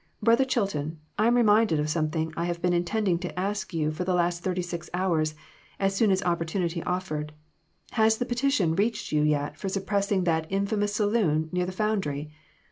Brother Chilton, I am reminded of some thing I have been intending to ask you for the last thirty six hours, as soon as opportunity offered. Has the petition reached you yet for suppressing that infamous saloon near the found ry